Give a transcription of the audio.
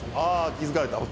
気付かれた。